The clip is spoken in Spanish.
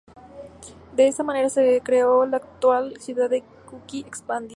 De esta manera se creó la actual ciudad de Kuki expandida.